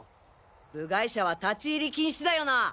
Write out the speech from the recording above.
部外者は立ち入り禁止だよな！？